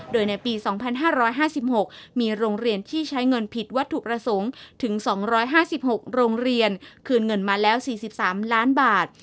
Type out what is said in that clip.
โดยในปี๒๕๕๖มีโรงเรียนที่ใช้เงินผิดวัตถุประสงค์ถึง๒๕๖โรงเรียนคืนเงินมาแล้ว๔๓ล้านบาท